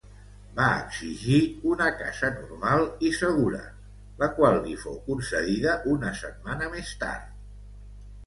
Va exigir una casa normal i segura, la qual li fou concedida una setmana més tard.